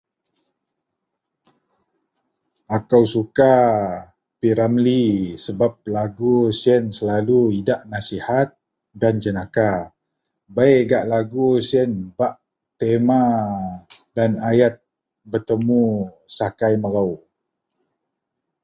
akou suka P.ramli sebab lagu sien selalu idak nasihat dan jenaka, bei gak lagu sien bak tema dan ayat petemu sakai melou